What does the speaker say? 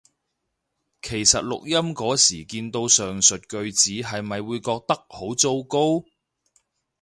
其實錄音嗰時見到上述句子係咪會覺得好糟糕？